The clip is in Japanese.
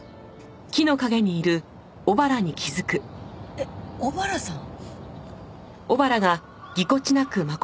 えっ小原さん？